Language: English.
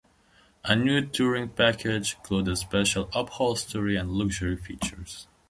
A new "Touring Package" included special upholstery and luxury features.